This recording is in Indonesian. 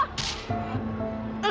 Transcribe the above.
emang kurang ajar